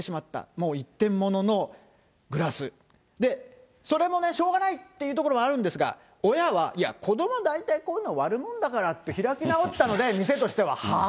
もう、一点物のグラス、それもね、しょうがないっていうところもあるんですが、親は、いや、子どもは大体こういうのは割るもんだからって、開き直ったので、店としてははぁ？